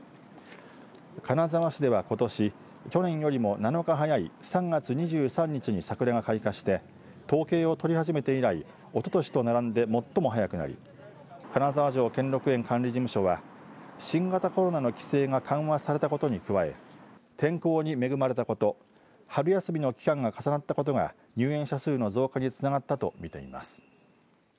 金沢市ではことし去年よりも７日早い３月２３日に桜が開花して統計を取り始めて以来おととしと並んで最も早くなり金沢城・兼六園管理事務所は新型コロナの規制が緩和されたことに加え天候に恵まれたこと春休みの期間が重なったことが入園者数の増加につながったと見ています。